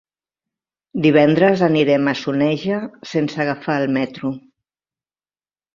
Divendres anirem a Soneja sense agafar el metro.